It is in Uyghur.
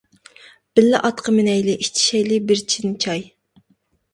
بىللە ئاتقا مىنەيلى، ئىچىشەيلى بىر چىن چاي.